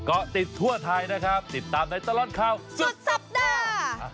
ก็ติดทั่วไทยนะครับติดตามในตลอดข่าวสุดสัปดาห์